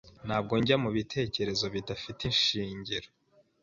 Ntabwo njya mubitekerezo bidafite ishingiro.